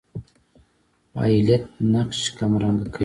فاعلیت نقش کمرنګه کوي.